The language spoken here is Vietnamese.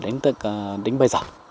đến bây giờ